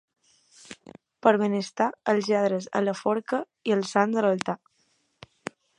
Per benestar, els lladres a la forca i els sants a l'altar.